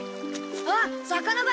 あっ魚だ！